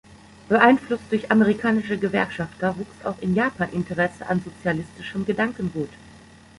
Beeinflusst durch amerikanische Gewerkschafter wuchs auch in Japan Interesse an sozialistischem Gedankengut.